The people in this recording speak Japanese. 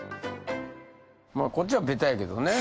こっちはベタやけどね。